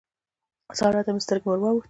سارا ته مې سترګې ور واوښتې.